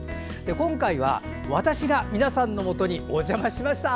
今回は私が皆さんのもとにお邪魔しました。